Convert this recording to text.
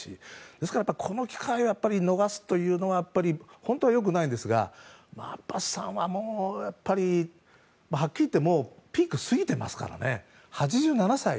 ですから、この機会を逃すのは本当は良くないんですがアッバスさんはやっぱりはっきり言ってピークを過ぎてますからね８７歳。